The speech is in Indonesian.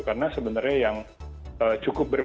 karena sebenarnya yang cukup berbeda